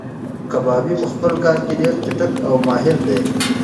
کبابي په خپل کار کې ډېر چټک او ماهیر دی.